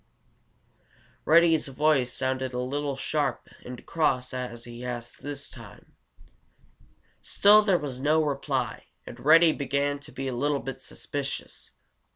Reddy's voice sounded a little sharp and cross as he asked this time. Still there was no reply, and Reddy began to be a little bit suspicious.